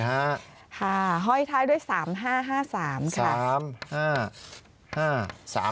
ห้อยท้ายด้วย๓๕๕๓ค่ะ